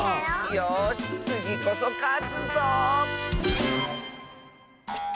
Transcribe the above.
よしつぎこそかつぞ！